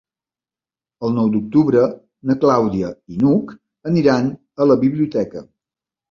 El nou d'octubre na Clàudia i n'Hug aniran a la biblioteca.